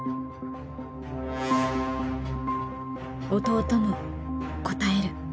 弟も応える。